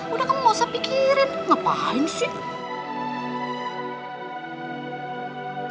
udah kamu gak usah pikirin ngapain sih